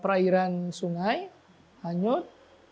perairan sungai hanyut